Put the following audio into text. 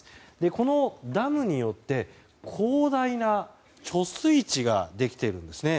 このダムによって広大な貯水池ができているんです。